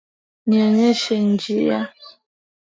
Nionyeshe njia.